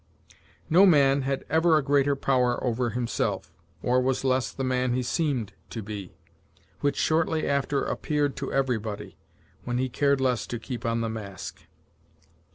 "No man had ever a greater power over himself, or was less the man he seemed to be, which shortly after appeared to everybody, when he cared less to keep on the mask."